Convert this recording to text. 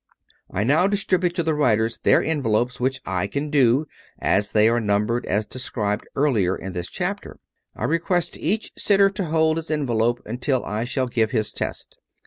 I now distribute to the writers their envelopes, which I can do, as they are numbered as described earlier in this chapter. I request each sitter to hold his en velope until I shall give his test.